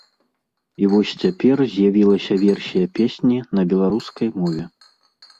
І вось цяпер з'явілася версія песні на беларускай мове.